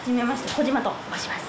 小島と申します。